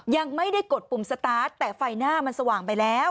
ยังไม่ได้กดปุ่มสตาร์ทแต่ไฟหน้ามันสว่างไปแล้ว